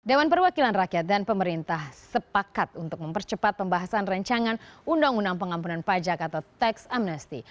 dewan perwakilan rakyat dan pemerintah sepakat untuk mempercepat pembahasan rancangan undang undang pengampunan pajak atau tax amnesty